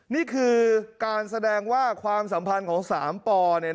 นี่คือการแสดงว่าความสัมภาษณ์ของสามปอ